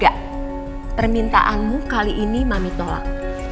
ya permintaanmu kali ini mami tolak